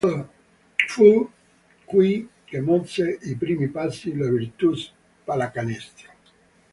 Fu qui che mosse i "primi passi" la Virtus Pallacanestro.